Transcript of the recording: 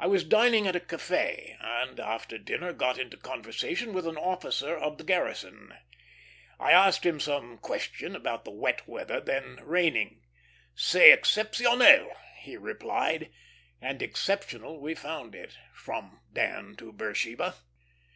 I was dining at a café, and after dinner got into conversation with an officer of the garrison. I asked him some question about the wet weather then reigning. "C'est exceptionnel," he replied; and exceptional we found it "from Dan to Beersheba."